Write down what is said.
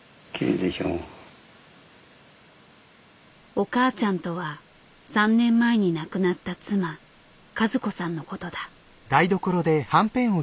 「お母ちゃん」とは３年前に亡くなった妻和子さんのことだ。